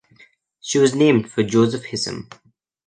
She was named for Joseph Hissem.